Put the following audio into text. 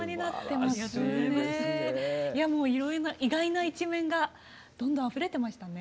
いやもういろいろな意外な一面がどんどんあふれてましたね。